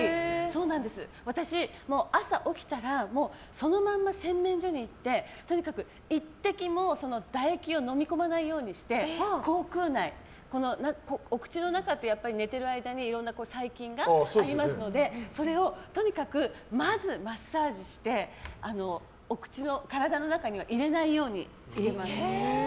私、朝起きたらそのまま洗面所に行ってとにかく１滴も唾液を飲み込まないようにして口腔内お口の中って、寝てる間にいろんな細菌がありますのでそれをとにかくまずマッサージして体の中には入れないようにしてます。